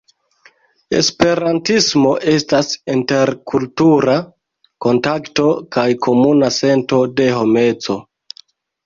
Esperantismo estas interkultura kontakto kaj komuna sento de homeco.